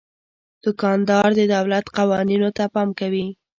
دوکاندار د دولت قوانینو ته پام کوي.